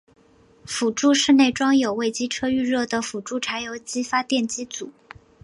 辅助室内装有为机车预热的辅助柴油机发电机组。